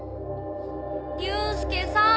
悠介さん。